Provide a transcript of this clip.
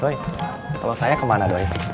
doi kalau saya kemana doi